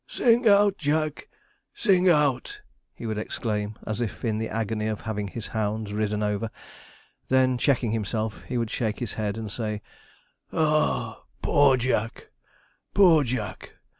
'Sing out, Jack! sing out!' he would exclaim, as if in the agony of having his hounds ridden over; then, checking himself, he would shake his head and say, 'Ah, poor Jack, poor Jack!